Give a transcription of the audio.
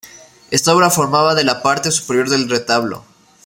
Esta obra formaba de la parte superior del retablo.